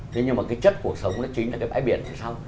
thế nhưng mà cái chất cuộc sống nó chính là cái bãi biển thì sau